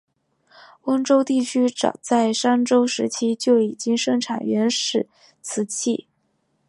温州地区早在商周时期就已经生产原始瓷器。